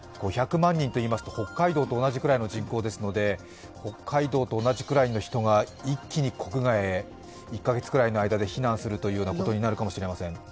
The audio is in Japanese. ５００万人といいますと北海道と同じくらいの人口ですので北海道と同じくらいの人が一気に国外へ１カ月ぐらいの間で避難するというようなことになるかもしれません。